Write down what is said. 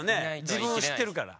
自分を知ってるから。